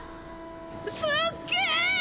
すっげー！！